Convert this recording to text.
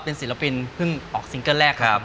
ศิลปินเพิ่งออกซิงเกิ้ลแรกครับ